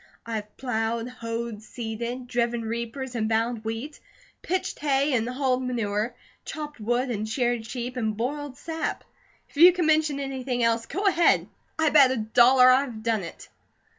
I have plowed, hoed, seeded, driven reapers and bound wheat, pitched hay and hauled manure, chopped wood and sheared sheep, and boiled sap; if you can mention anything else, go ahead, I bet a dollar I've done it."